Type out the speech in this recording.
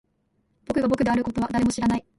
僕が僕であることは誰も知らない